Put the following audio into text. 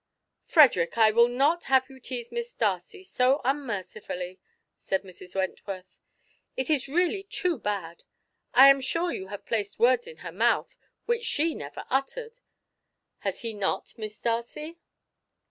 "Frederick, I will not have you tease Miss Darcy so unmercifully," said Mrs. Wentworth. "It is really too bad. I am sure you have placed words in her mouth which she never uttered, has he not, Miss Darcy?"